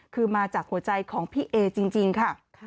คือมาจากหัวใจของพี่เอจริงค่ะ